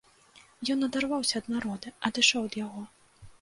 Ён адарваўся ад народа, адышоў ад яго.